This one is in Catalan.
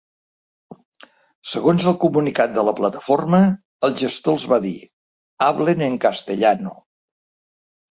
Segons el comunicat de la plataforma, el gestor els va dir: Hablen en castellano.